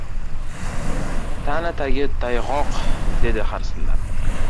— Ta’na tagi tayg‘oq, — dedi harsillab.